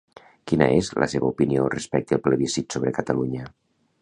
Quina és la seva opinió respecte al plebiscit sobre Catalunya?